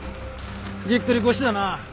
ぎっくり腰だな。